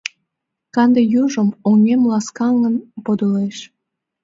Канде южым Оҥем ласкаҥын подылеш.